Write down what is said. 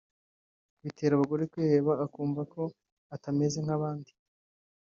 bitera bagore kwiheba akumva ko atameze nk’abandi